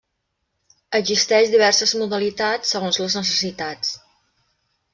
Existeix diverses modalitats segons les necessitats.